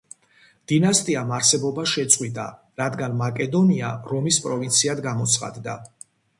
დინასტიამ არსებობა შეწყვიტა, რადგან მაკედონია, რომის პროვინციად გამოცხადდა.